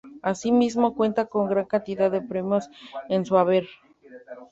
Asimismo, cuenta con gran cantidad de premios en su haber.